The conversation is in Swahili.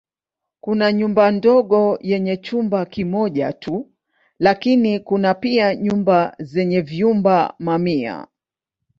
Kuna nyumba ndogo yenye chumba kimoja tu lakini kuna pia nyumba zenye vyumba mamia.